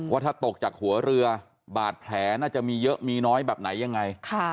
ว่าถ้าตกจากหัวเรือบาดแผลน่าจะมีเยอะมีน้อยแบบไหนยังไง